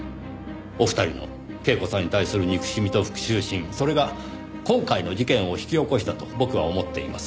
お二人の恵子さんに対する憎しみと復讐心それが今回の事件を引き起こしたと僕は思っています。